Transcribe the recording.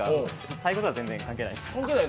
太鼓とは全然関係ないです。